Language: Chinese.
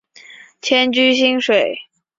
迁居蕲水。